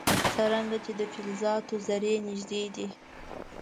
څرنګه چې د فلزاتو ذرې نژدې دي.